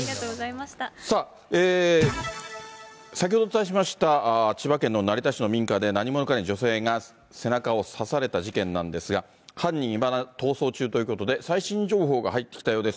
さあ、先ほどお伝えしました、千葉県の成田市の民家で、何者かに女性が背中を刺された事件なんですが、犯人、いまだ逃走中ということで、最新情報が入ってきたようです。